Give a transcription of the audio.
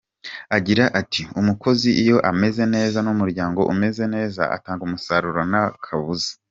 Agira ati “Umukozi iyo ameze neza n’umuryango umeze neza, atanga umusaruro nta kabuza.